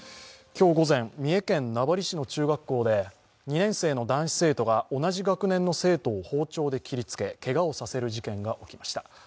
今日午前三重県名張市の中学校で、２年生の男子生徒が同じ学年の生徒を包丁で切りつけけがをさせる事件が起きました。